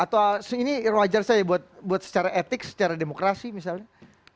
atau ini wajar saja buat secara etik secara demokrasi misalnya